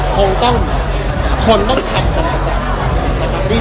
คงต้องคนต้องทำต่อไปก่อนนะครับ